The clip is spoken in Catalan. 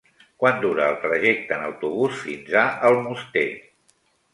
Quant dura el trajecte en autobús fins a Almoster?